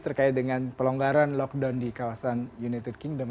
terkait dengan pelonggaran lockdown di kawasan united kingdom